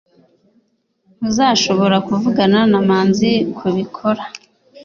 Ntuzashobora kuvugana na Manzi kubikora.